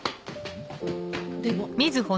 でも。